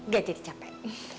gak jadi capek